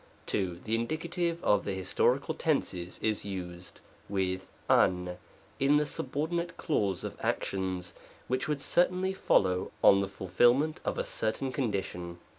2. The Indie, of the historical Tenses is used, with «iV, in the subordinate clause of actions which would certainly follow on the fulfilment of a certain condi tion.